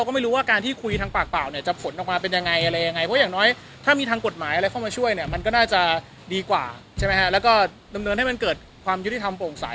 มาช่วยเนี่ยมันก็น่าจะดีกว่าใช่ไหมฮะแล้วก็เดิมเดินให้มันเกิดความยุติธรรมโปร่งใส